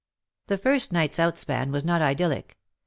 The first night's outspan was not idyllic.